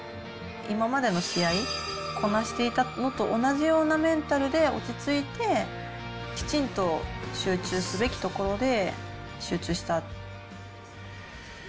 今までの試合、こなしていたのと同じようなメンタルで、落ち着いて、きちんと集中すべきところで集中した。